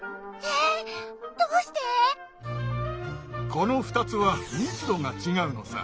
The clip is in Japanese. この２つは密度が違うのさ。